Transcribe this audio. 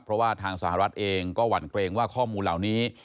เพราะว่าทางสหรัฐเองก็หวั่นเกรงว่าข้อมูลเหล่านี้